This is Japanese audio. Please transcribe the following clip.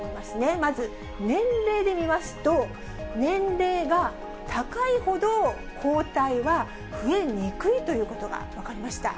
まず、年齢で見ますと、年齢が高いほど、抗体は増えにくいということが分かりました。